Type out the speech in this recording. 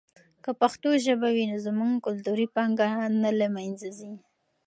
که پښتو ژبه وي نو زموږ کلتوري پانګه نه له منځه ځي.